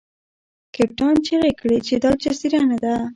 کپتان چیغې کړې چې دا جزیره نه ده.